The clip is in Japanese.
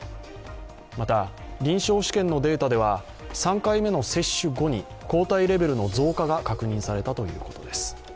また、臨床試験のデータでは、３回目の接種後に抗体レベルの増加が確認されたということです。